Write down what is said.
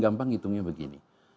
gampang menghitungnya begini